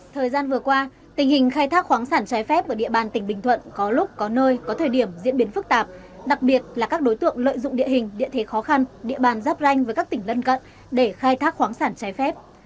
thời gian vừa qua tình hình khai thác khoáng sản trái phép ở địa bàn tỉnh bình thuận có lúc có nơi có thời điểm diễn biến phức tạp đặc biệt là các đối tượng lợi dụng địa hình địa thế khó khăn địa bàn giáp ranh với các tỉnh lân cận để khai thác khoáng sản trái phép